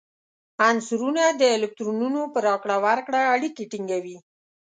عنصرونه د الکترونونو په راکړه ورکړه اړیکې ټینګوي.